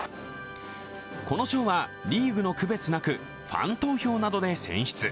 この賞は、リーグの区別なくファン投票などで選出。